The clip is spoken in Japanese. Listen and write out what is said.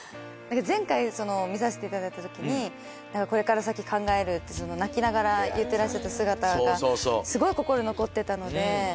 前回見させていただいたときにこれから先考えるって泣きながら言ってらしてた姿がすごい心に残ってたので。